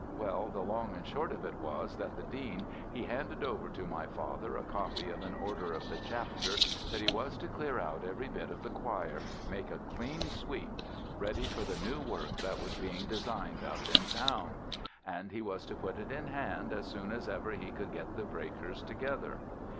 "Well, the long and the short of it was that the Dean he handed over to my father a copy of an order of the Chapter that he was to clear out every bit of the choir make a clean sweep ready for the new work that was being designed up in town, and he was to put it in hand as soon as ever he could get the breakers together.